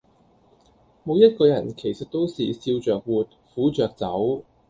每一個人其實都是笑著活，苦著走